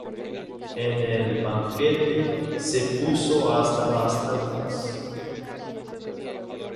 En el banquete se puso hasta las trancas